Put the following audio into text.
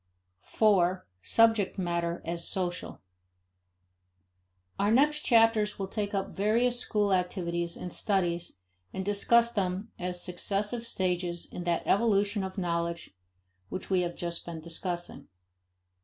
4. Subject Matter as Social. Our next chapters will take up various school activities and studies and discuss them as successive stages in that evolution of knowledge which we have just been discussing.